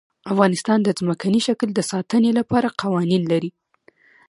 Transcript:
افغانستان د ځمکنی شکل د ساتنې لپاره قوانین لري.